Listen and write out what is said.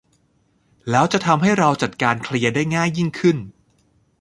แล้วจะทำให้เราจัดการเคลียร์ได้ง่ายยิ่งขึ้น